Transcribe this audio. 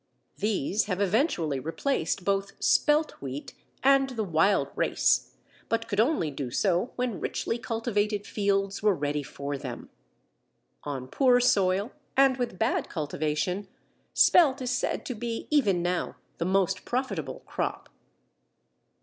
These have eventually replaced both "spelt" wheat and the wild race, but could only do so when richly cultivated fields were ready for them. On poor soil and with bad cultivation, "spelt" is said to be even now the most profitable crop.